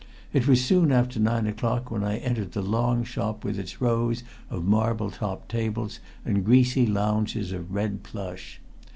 It was soon after nine o'clock when I entered the long shop with its rows of marble topped tables and greasy lounges of red plush.